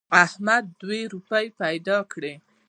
احمد دوه روپۍ پیدا کړې.